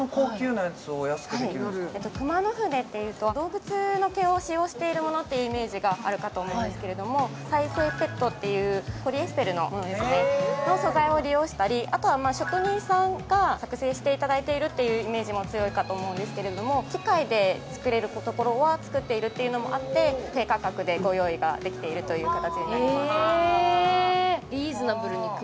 熊野筆っていうと動物の毛を使用しているものっていうイメージがあるかと思うんですけれども再生ＰＥＴっていうあとは職人さんが作製していただいているっていうイメージも強いかと思うんですけど機械で作れるところは作っているっていうのもあって低価格でご用意ができているという形になってます